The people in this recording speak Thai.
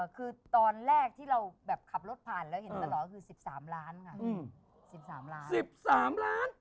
เออคือตอนแรกที่เราแบบขับรถผ่านแล้วเห็นเหมือนกันเเหละคือ๑๓ล้านเเหละค่ะ